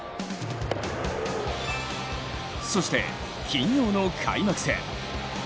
そして、金曜の開幕戦。